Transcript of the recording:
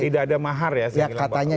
tidak ada mahar ya